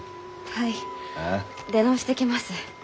はい出直してきます。